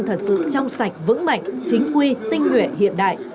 thật sự trong sạch vững mạnh chính quy tinh nguyện hiện đại